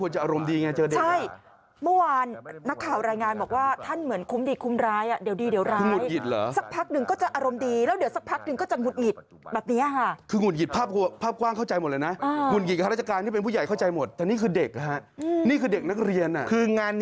ชีดเจ็บไหมลูกชีดกันนะลูกนะจะได้ไปโรงเรียนน่ะ